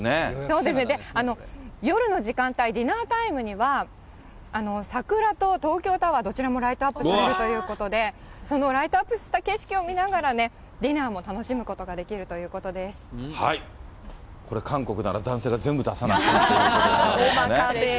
そうですね、夜の時間帯、ディナータイムには、桜と東京タワー、どちらもライトアップされるということで、そのライトアップした景色を見ながら、ディナーも楽しむことがでこれ、韓国なら男性が全部出さないといけないということで。